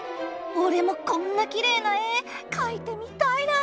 俺もこんなきれいな絵描いてみたいな！